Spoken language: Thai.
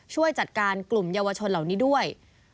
ช่วยจัดการกลุ่มเยาวชนเหล่านี้ด้วย